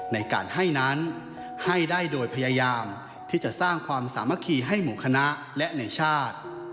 ในการให้นั้นให้ได้โดยพยายามที่จะสร้างความสามัคคีให้หมู่คณะและในชาติ